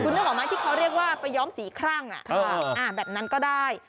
นึกออกไหมที่เขาเรียกว่าไปย้อมสีครั่งแบบนั้นก็ได้